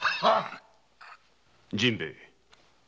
陣兵衛！